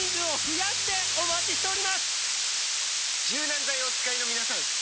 柔軟剤をお使いのみなさん！